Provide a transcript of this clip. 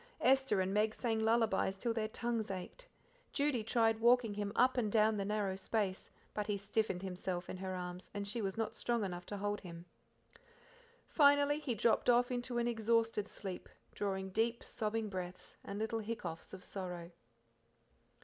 Esther and Meg sang lullabies till their tongues ached, Judy tried walking him up and down the narrow space, but he stiffened himself in her arms, and she was not strong enough to hold him. Finally he dropped off into an exhausted sleep, drawing deep, sobbing breaths and little hiccoughs of sorrow.